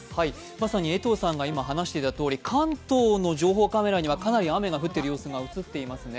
まさに江藤さんが今話していたとおり、関東の情報カメラにはかなり雨が降っている様子が映っていますね。